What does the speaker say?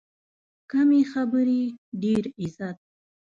کمې خبرې، ډېر عزت.